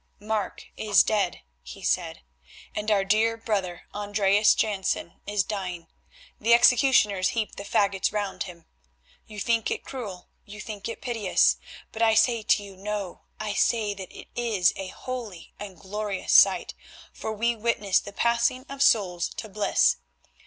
"Mark is dead," he said, "and our dear brother, Andreas Jansen, is dying; the executioners heap the faggots round him. You think it cruel, you think it piteous, but I say to you, No. I say that it is a holy and a glorious sight, for we witness the passing of souls to bliss.